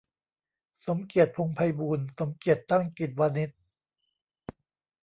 สมเกียรติ พงษ์ไพบูลย์ สมเกียรติ ตั้งกิจวานิชย์